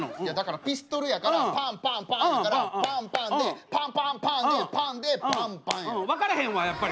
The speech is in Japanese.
いやだから「ピストル」やから「パンパンパン」やからパンパンで「パンパンパン」で「パン」でパンパンや。